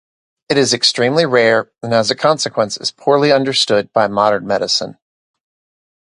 It is extremely rare, and as a consequence is poorly understood by modern medicine.